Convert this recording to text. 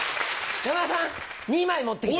山田さん２枚持ってきて。